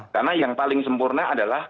karena yang paling sempurna adalah